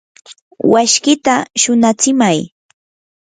washkita shunatsimay.